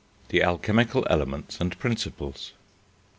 THE ALCHEMICAL ELEMENTS AND PRINCIPLES.